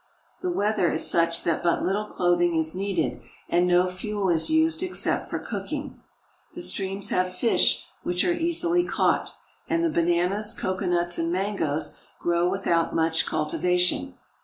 The weather is such that but little clothing is needed, and no fuel is used except for cooking. The streams have fish which are easily caught, and the bananas, coconuts, and mangoes grow without much cultivation.